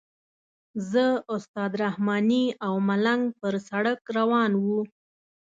زه استاد رحماني او ملنګ پر سړک روان وو.